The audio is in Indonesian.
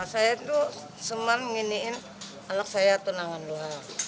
saya itu seman menginginkan anak saya tunangan luar